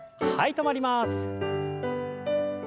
止まります。